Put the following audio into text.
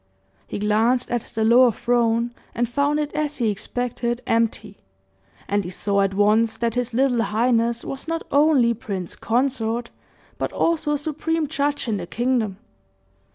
He glanced at the lower throne and found it as he expected, empty; and he saw at once that his little highness was not only prince consort, but also supreme judge in the kingdom.